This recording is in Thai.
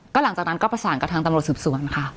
หลังจากนั้นก็ประสานกับทางตำรวจสืบสวนค่ะ